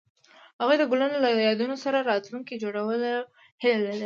هغوی د ګلونه له یادونو سره راتلونکی جوړولو هیله لرله.